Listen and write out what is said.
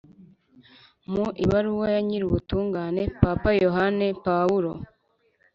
mu ibaruwa ya nyirubutungane papa yohani pawulo